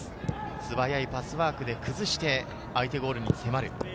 素早いパスワークで崩して相手ゴールに迫る。